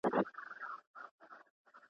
بوره په بازار کې شتون لري.